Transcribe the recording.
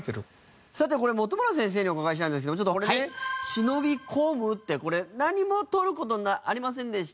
さてこれ本村先生にお伺いしたいんですけどちょっとこれね忍び込むってこれ何も取る事ありませんでした